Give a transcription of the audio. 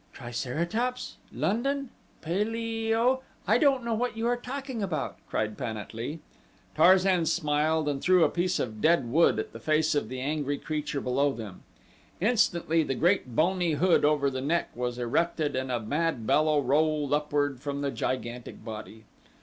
"Triceratops, London, paleo I don't know what you are talking about," cried Pan at lee. Tarzan smiled and threw a piece of dead wood at the face of the angry creature below them. Instantly the great bony hood over the neck was erected and a mad bellow rolled upward from the gigantic body.